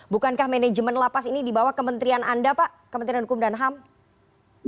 bukankah manajemen lapas ini di bawah kementerian anda pak kementerian hukum dan ham